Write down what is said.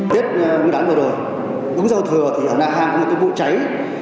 tiết mới đắn vừa rồi đúng sau thừa thì ở nạc hàng có một cái vụ cháy